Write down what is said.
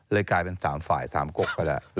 กลายเป็น๓ฝ่าย๓กบไปแล้ว